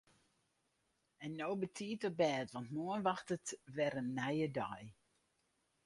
En no betiid op bêd want moarn wachtet wer in nije dei.